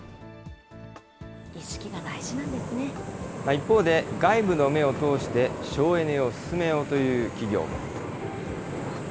一方で、外部の目を通して、省エネを進めようという企業も。